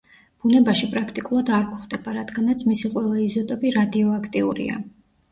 ბუნებაში პრაქტიკულად არ გვხვდება, რადგანაც მისი ყველა იზოტოპი რადიოაქტიურია.